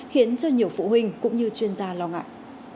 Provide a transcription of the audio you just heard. khiến cho nhiều phụ huynh cũng như chuyên gia lo ngại